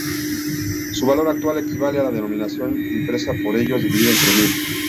Su valor actual equivale a la denominación impresa en ellos, dividida entre mil.